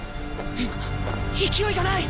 勢いがない！